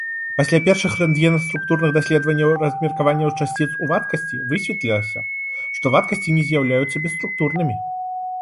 Пасля першых рэнтгенаструктурных даследаванняў размеркавання часціц ў вадкасці высветлілася, што вадкасці не з'яўляюцца бесструктурнымі.